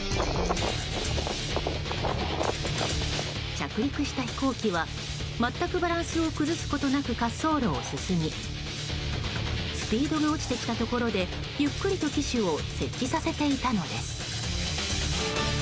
着陸した飛行機は全くバランスを崩すことなく滑走路を進みスピードが落ちてきたところでゆっくりと機首を接地させていたのです。